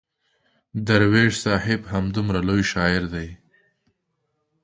درویش صاحب همدومره لوی شاعر دی.